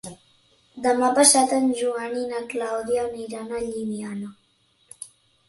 Demà passat en Joan i na Clàudia aniran a Llimiana.